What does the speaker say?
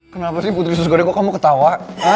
kenapa sih putri sus goreng kok kamu ketawa